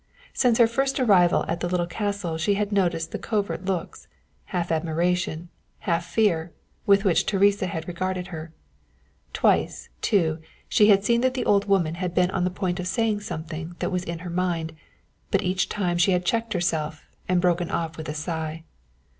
Since her first arrival at the little castle she had noticed the covert looks, half admiration, half fear, with which Teresa had regarded her. Twice, too, she had seen that the old woman had been on the point of saying something that was in her mind, but each time she had checked herself and broken off with a sigh.